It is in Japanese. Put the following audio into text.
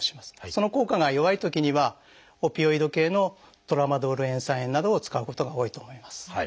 その効果が弱いときにはオピオイド系のトラマドール塩酸塩などを使うことが多いと思います。